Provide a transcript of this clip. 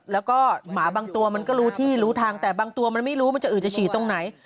แล้วก็หมาบางตัวมันก็รู้ที่รู้ทางแต่บางตัวมันไม่รู้มันจะอืดจะฉีดตรงไหน